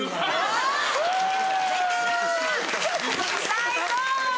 最高！